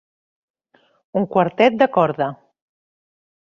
Un quartet de corda.